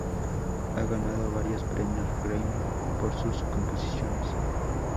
Ha ganado varios premios Grammy por sus composiciones.